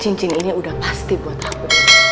cincin ini udah pasti buat aku